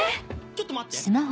ちょっと待って。